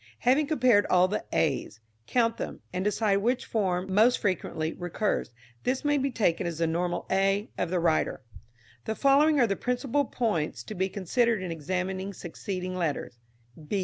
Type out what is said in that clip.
Having compared all the a's, count them, and decide which form most frequently recurs. This may be taken as the normal a of the writer. The following are the principal points to be considered in examining succeeding letters.